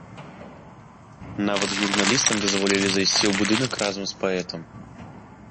Нават журналістам дазволілі зайсці ў будынак разам з паэтам.